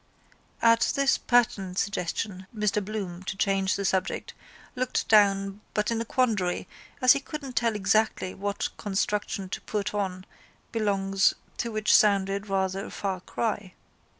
At this pertinent suggestion Mr Bloom, to change the subject, looked down but in a quandary, as he couldn't tell exactly what construction to put on belongs to which sounded rather a far cry.